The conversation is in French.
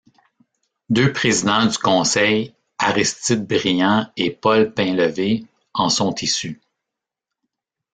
Deux présidents du Conseil, Aristide Briand et Paul Painlevé, en sont issus.